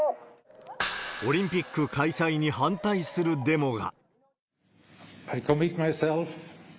オリンピック開催に反対するデモが。